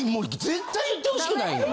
絶対言ってほしくないよ。